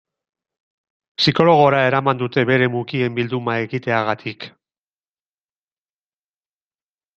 Psikologora eraman dute bere mukien bilduma egiteagatik.